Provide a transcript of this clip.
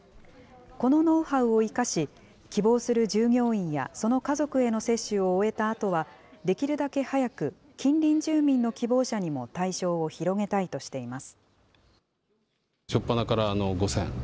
このノウハウを生かし、希望する従業員やその家族への接種を終えたあとは、できるだけ早く近隣住民の希望者にも対象を広げたいとしています。